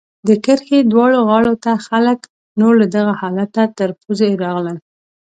د کرښې دواړو غاړو ته خلک نور له دغه حالته تر پوزې راغله.